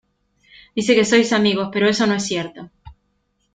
dices que sois amigos, pero eso no es cierto.